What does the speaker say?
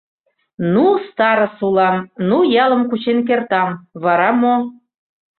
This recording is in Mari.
Ну, старыс улам, ну, ялым кучен кертам, вара мо?